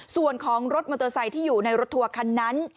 ส่วนของรถมอเตอร์ไซค์ที่อยู่ในรถทัวร์คันนั้น